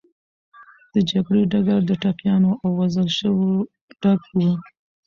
د جګړې ډګر د ټپيانو او وژل سوو ډک و.